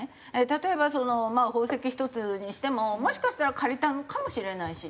例えばまあ宝石１つにしてももしかしたら借りたのかもしれないし。